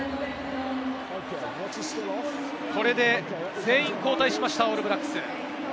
これで全員交代しました、オールブラックス。